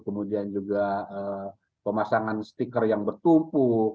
kemudian juga pemasangan stiker yang bertumpuk